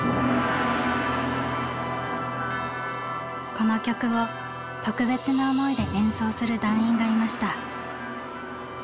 この曲を特別な思いで演奏する団員がいました。